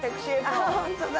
あぁ本当だ。